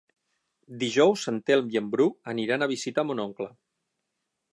Dijous en Telm i en Bru aniran a visitar mon oncle.